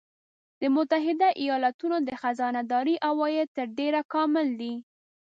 د متحده ایالاتو د خزانه داری عواید تر ډېره کامل دي